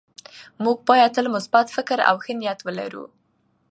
موږ باید تل مثبت فکر او ښه نیت ولرو